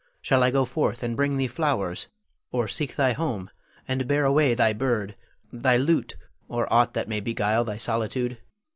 Shall I go forth and bring thee flowers, or seek thy home and bear away thy bird, thy lute, or aught that may beguile thy solitude?